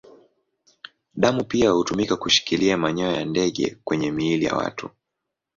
Damu pia hutumika kushikilia manyoya ya ndege kwenye miili ya watu.